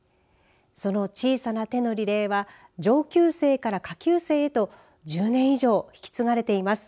その小さな手のリレーは上級生から下級生へと１０年以上引き継がれています。